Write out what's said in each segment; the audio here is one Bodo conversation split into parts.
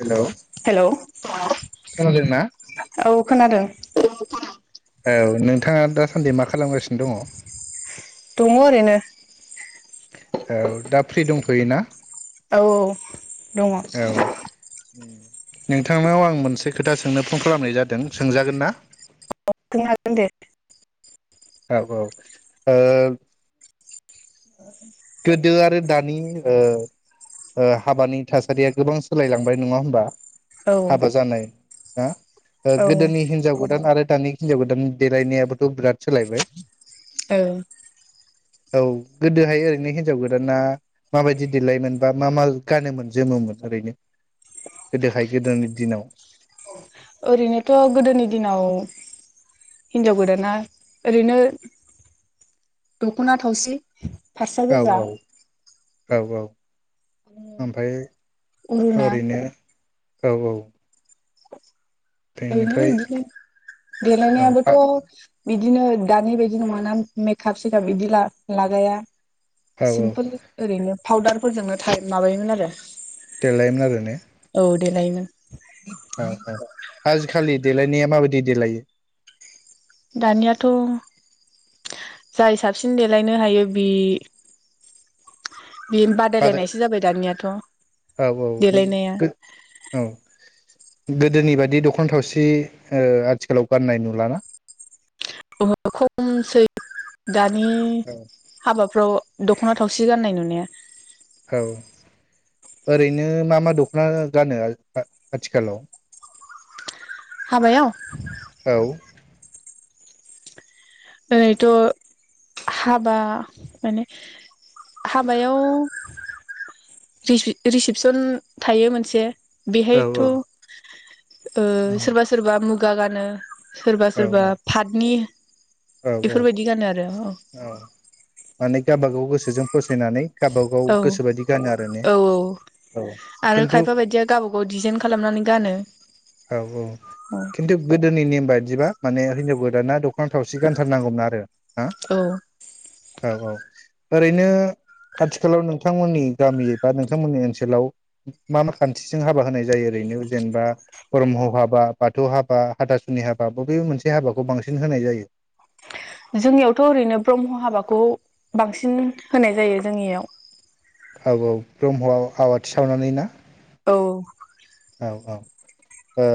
हेलौ हेलौ खोनादोंना औ खोनादों औ नोंथांङा दासान्दि मा खालामगासिनो दंङ। दंङ ओरैनो औ दा फ्रि दंथ'योना औ औ दङ औ नोंथांनाव आं मोनसे खोथा सोंनो फन खालामनाय जादों सोंजागोन ना अ सोंनो हागोन दे। औ औ ओ गोदो आरो दानि ओ हाबानि थासारिया गोबां सोलायलांबाय नंङा होमबा औ हाबा जानाय दा ओ औ गोदोनि हिनजाव गोदान आरो दानानि हिनजाव गोदाननि देलायनायाबोथ' बिराद सोलायबाय। औ औ गोदोहाय ओरैनो हिन्जाव गोदाना माबायदि देलायोमोन बा मा मा गानोमोन जोमोमोन ओरैनो गोदोहाय गोदोनि दिनाव ओरैनोथ' गोदोनि दिनाव हिनजाव गोदाना ओरैनो दखना थावसि फास्रा गाव गोजा गाव गाव गाव ओमफ्राय अरुना ओरैनो औ औ [inaudible] ओरैनो बेनिफ्राय इदिनो औ देलायनायाबोथ' बिदिनो दानि बायदि नङाना मेकाप सेकाप बिदि ला-लागाया औ सिमपोल ओरैनो पाउदारफोरजोंनो थायो‌ माबायोमोन आरो देलायोमोन आरो ने औ देलायोमोन। औ औ आजि खालि देलायनाया माबायदि देलायो दानियाथ' जाय साबसिन देलायनो हायो बि बे बाजार बादायलायनायसो जाबाय दानियाथ' औ देलायनाया औ औ गोदोनि बायदि दख'ना थावसि ओ आथिखालाव गाननाय नुलाना अ खमसै दानि औ हाबाब फाव दख'ना थावसि गान्नाय नुनाया औ ओरैनो मा मा दख'ना गानो आथिखालाव हाबायाव औ ओरैथ' हाबा माने हाबायाव रिसिपसन थायो मोनसे औ बिहायथ' ओ सोरबा सोरबा मु गा गानो सोरबा सोरबा औ पाथनि औ औ औ माने गावबागाव गोस गोसोजों फसायनानै गावबागाव औ गोसोबायदि गानो आरो ने औ औ औ आरो खिन्थु खायफा बायदिया गावबा गाव डिजाइन खालामनानै गानो औ औ खिन्थु गोदोनि नेम बायदिबा माने हिनजाव गोदाना दख'ना थावसि गानथारनांगौमोन आरो। हा औ औ औ औ ओरैनो आथिखालाव नोंथांमोननि गामि बा नोंथांमोननि ओनसोलाव मा मा खान्थिजों हाबा होनाय जायो ओरैनो जेनेबा ब्रह्म हाबा बाथौ हाबा हाथासुनि हाबा बबे मोनसे हाबाखौ बांसिन होनाय जायो। जोंनियावथ' ओरैनो ब्रह्म हाबाखौ बांसिन होनाय जायो जोंनियाव औ औ ब्रह्मआव आवाथि सावनानै ना औ औ औ ओ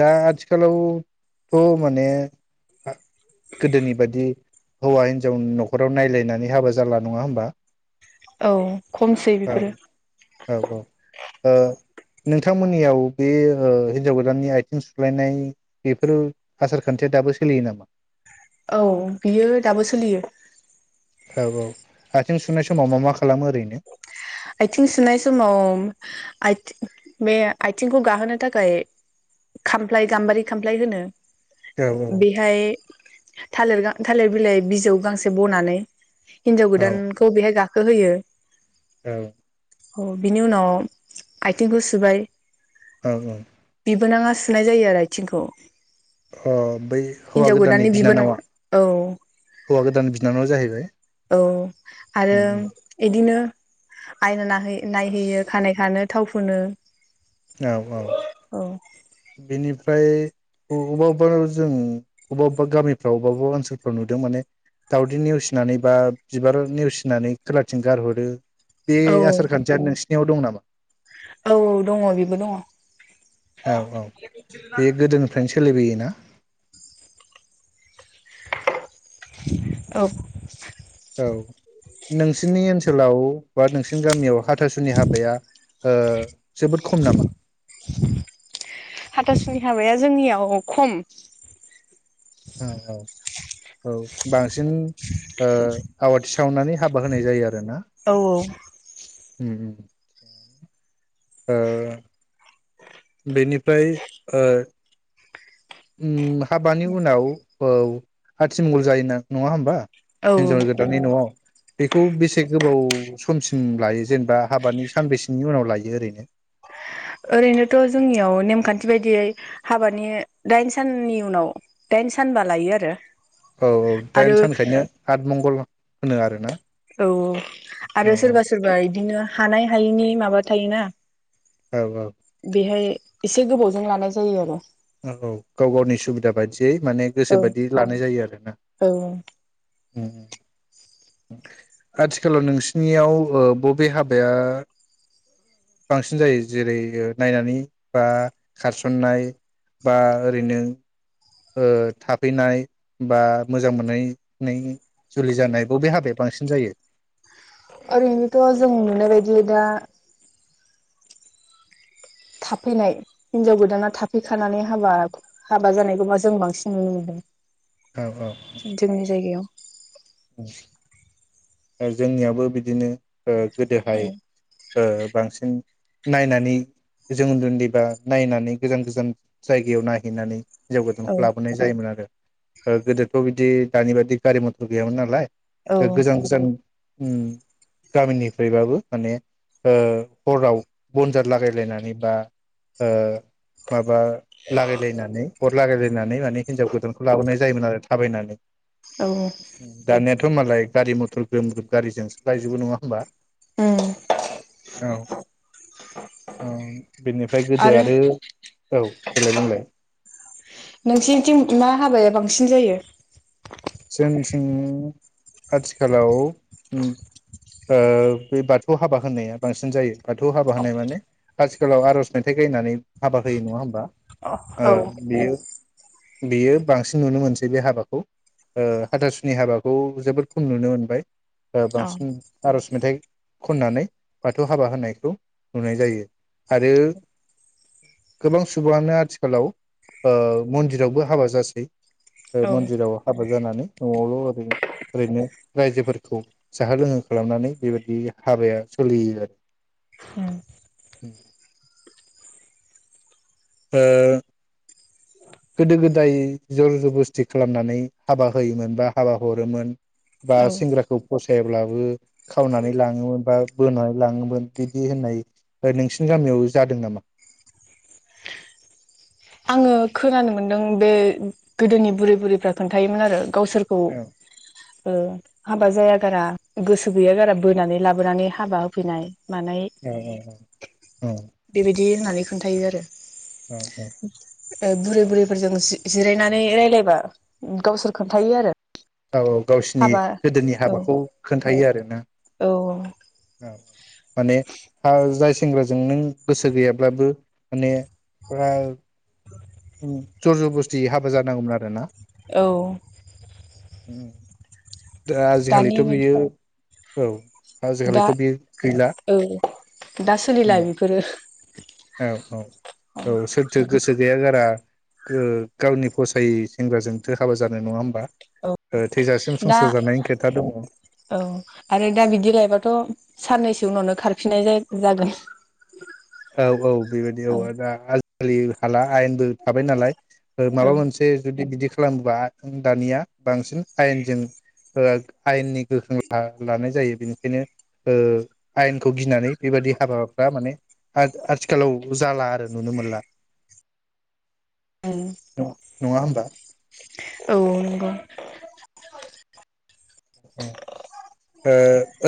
दा आथिखालावथ' माने गोदोनि बादि हौवा हिनजावनि न'खराव नायलायनानै हाबा जाला नङा होमबा औ खमसै औ बेफोरो औ औ ओ नोंथांमोननियाव बे ओ हिनजाव गोदाननि आथिं सुलायनाय बेफोर आसार खान्थिया दाबो सोलियो नामा? औ बियो दाबो सोलियो। औ औ आथिं सुनाय समाव मा मा खालामो ओरैनो आथिं सुनाय समाव बे आथिंखौ गाहोनो थाखाय खामफ्लाय गाम्बारि खामफ्लाय होनो औ बिहाय थालिर गा थालिर बिलाइ बिजौ गांसे बनानै हिन्जाव गोदानखौ बेहाय गा हो होयो औ औ बिनि उनाव आथिं गु सुबाय औ औ बिबोनाङा सुनाय जायो आरो आथिंखौ अ बै हौवा हिनजाव गोदाननि बिबोनां बिनानावा औ हौवा गोदान बिनानावा जाहैबाय औ आरो उम उम इदिनो आयना नायहैयो खानाय खानो थाव फुनो औ औ औ बेनिफ्राय अबा अबेबा जों अबेबा अबेबा गामिफ्राव अबेबा अबेबा ओनसोलफ्राव नुदों माने दावदै नेवसिनानै बा बिबार नेवसिनानै खोलाथिं गारहरो बे औ आसार खान्थियानो साव दं नामा औ औ दङ बेबो दङ औ औ बे गोदोनिफ्रायनो सोलिबोयोना औ औ नोंसोरनि ओनसोलाव बा नोंसिनि गामियाव हाथासुनि हाबाया ओ जोबोद खम नामा नि हाबाया जोंनियाव खम औ औ औ बांसिन आवाथि सावनानै हाबा होनाय जायो आरो ना औ औ बेनिफ्राय उ हाबानि उनाव औ आथिमंगल जायो ना नङा होमबा औ हिनजाव गोदाननि न'आव बेखौ बेसे गोबाव समसिम लायो जेनेबा हाबानि सानबैसेनि उनाव लायो ओरैनो? ओरैनोथ' जोंनियाव नेमखान्थि बायदियै हाबानि दाइन साननि उनाव दाइन सानबा लायो आरो औ औ दाइन आरो सानखायनो आठ मंगल होनो आरोना औ औ औ आरो औ सोरबा सोरबा इदिनो हानाय हायिनि माबा थायोना। औ औ बेहाय एसे गोबावजों लानाय जायो आरो। ओ औ गाव गावनि सुबिदा बायदियै माने गोसो औ बायदि लानाय जायो आरोना औ आथिखालाव नोंसिनियाव ओ बबे हाबाया बांसिन जायो जेरै नायनानै बा खारसन्नाय? बा ओरैनो ओ थाफैनाय बा मोजां मोननायनि जुलि जानाय बबे हाबाया बांसिन जायो? ओरैनोथ' जों नुनाय बायदि दा थाफैनाय हिनजाव गोदाना थाफैखानानै हाबा हाबा जानायखौबा जों बांसिन नुनो औ मोनदों। जोंनि जायगायाव जोंनियाबो बिदिनो ओ औ गोदोहाय ओ बांसिन नायनानै जों उन्दै उन्दैबा नायनानै गोजान गोजान जायगायाव नाहैनानै हिन्जाव औ गोदानखौ लाबोनाय जायोमोन आरो। ओ गोदोथ' बिदि दानि बायदि गारि मथर गैयामोन नालाय। ओ गोजानस उम गामिनिफ्रायबाबो माने ओ हराव बनजार लागायलायनानै बा ओ मा बा लागायलायनानै अर लागायलायनानै माने हिनजाव गोदानखौ लाबोनाय जायोमोन आरो थाबायनानै औ दानेट थ' मालाय गारि मथ ग्रोम ग्रोम गारिजोंसो लायजोबो नङा होमबा? उम औ औ बेनिफ्राय गोदो आरो औ देलाय बुंलाय सिन जायो? जोंथिं आथिखालाव उ ओ बे बाथौ हाबा होननाया बांसिन जायो। बाथौ हाबा होनाय माने आथिखालाव आर'ज मेथाइ गायनानै हाबा होयो नङा होमबा? ओ औ उम बेयो बियो बांसिन नुनो मोनसै बे हाबाखौ। ओ हाथासुनि हाबाखौ जोबोद खम नुनो मोनबाय। ओ बांसिन आर'ज मेथाइ खननानै बाथौ हाबा होनायखौ नुनाय जायो आरो गोबां सुबुङानो आथिखालाव ओ मन्दिरावबो हाबा जासै। ओ औ मन्दिराव हाब हाबा जानानै न'आवल' ओरैनो ओरैनो रायजोफोरखौ जाहो लोंहो खालामनानै बेबायदि हाबाया सोलियो आरो। ओ गोदो गोदाय जर जबस्थि खालामनानै हाबा होयोमोन बा हाबा हरोमोन बा सेंग्राखौ फसायाब्लाबो खावनानै लाङोमोन बा बोनानै लाङोमोन बिदि होननाय नोंसिनि गामियाव जादों नामा? आङो खोनानो मोनदों बे गोदोनि बुरै बुरैफ्रा खोन्थायोमोन आरो। गावसोरखौ औ ओ हाबा जाया गारा गोसो गैया गारा बोनानै लाबोनानै हाबा होफैनाय मानाय औ-औ-औ औ। दि होननानै खोन्थायो आरो। औ-औ। ओ बुरै बुरैफोरजों जि जिरायनानै रायलायबा गावसोर खोन्थायो आरो। औ-औ गावसिनि हाबा गोदोनि औ हाबाखौ खोन्थायो आरोना औ औ माने [unintelligible] जायस सेंग्राजों नों गोसो गैयाब्लाबो माने फुरा जर जबस्थि हाबा जानांगौमोन आरो ना। औ। उम दा दानि आजिखालिथ बायदि बियाव औ दा आजिखालिथ' बे गैला औ दा उम सोलिला बेफोरो औ औ औ सोरथो गोसो गैया गारा गो गावनि फसायै सेंग्राजोंथो हाबा जानो नङा होमबा ओ थैजासिम दा संसार जानायनि खोथा दङ औ आरो दा बिदि लायबाथ साननैसो उनावनो खारफिननाय जाय जागोन औ औ बेबायदि औ आरो दा आजि खालि हाला आयेनबो थाबाय नालाय ओ औ माबा मोनसे जुदि बिदि खालामब्ला दानिया बांसिन आयेनजों ओ आयेननि गोख्रों राहा लानाय जायो बेनिखायनो ओ आयेनखौ गिनानै बेबायदि हाबाफ्रा माने आथ आथिखालाव जाला आरो नुनो मोनला औ नङा होमबा औ नंगौ उम ओ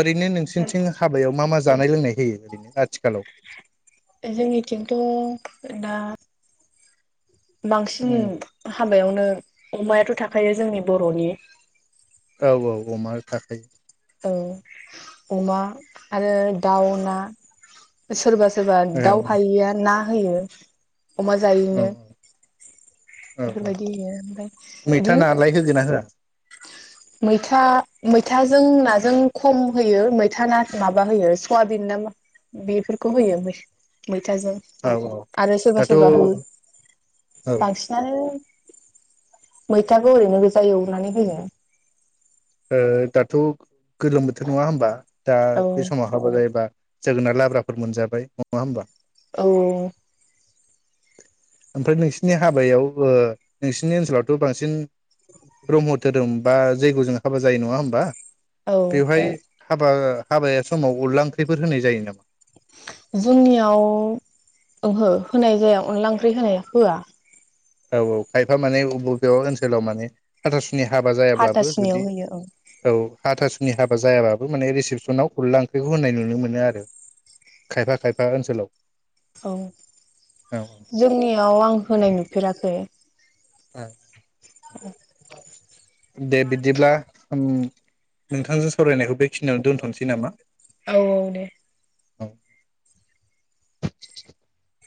ओरैनो नोंसिनथिं हाबायाव मा मा ज जानाय लोंनाय होयो ओरैनो आथिखालाव जोंनिथिंथ ना बांसिन औ [unintelligible] हाबायावनो अमायाथ थाखायो जोंनि बरनि औ औ अमाया थाखायो औ अमा आरो दाउ ना सोरबा सोरबा औ दाउ हायैया ना होयो अमा औ जायो औ औ मैथा बिदिनो नालाय होगोना होआ मैथा मैथाजों नाजों खम होयो मैथा ना माबा होयो सवाबिन ना बेफोरखौ होयो मैथ मैथाजों औ औ आरो सोरबा दाथ' औ सोरबा हु ओ बांसिनानो मैथाखौ ओरैनो गोजा एवनानै होयो ओ दाथ गोलोम बोथोर नङा होमबा दा औ बे समाव हाबा जायोबा जोगोनार लाब्राफोर मोनजाबाय नङा होमबा औ ओमफ्राय नोंसिनि हाबायाव ओ नोंसिनि ओनसोलावथ' बांसिन ब्रह्म धोरोम बा जैग' जोंहा हाबा जायो नङा होमबा औ बेवहाय हाबा हाबाया समाव अनला ओंख्रिफोर होनाय जायो नामा जोंनियाव ओहो होनाय जाया अनला ओंख्रि होनाय होआ औ औ खायफा माने बबेयाव ओनसोलाव माने हथासुनि नि हाबा जायाब्लाबो हाथासुनियाव जुदि होयो औ औ हाथासुनि हाबा जायाबाबो माने रिसिपसनाव खुरला ओंख्रिखौ होननाय नुनो मोनो आरो खायफा खायफा ओनसोलाव औ औ जोंनियाव आं होनाय नुफेराखै [unintelligible] [unintelligible] दे बिदिब्ला उम नोंथांजों सावरायनायखौ बेखिनियावनो दोनथ'नोसै नामा औ औ दे [unintelligible]